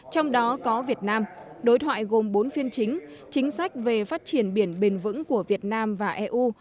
trong đó có việt nam đối thoại gồm bốn phiên chính chính sách về phát triển biển bền vững của việt nam và eu